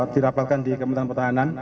dirapalkan di kementerian pertahanan